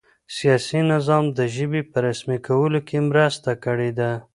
سیاسي نظام د ژبې په رسمي کولو کې مرسته کړې ده.